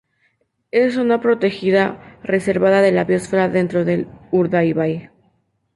Es zona protegida reserva de la biosfera, dentro de Urdaibai.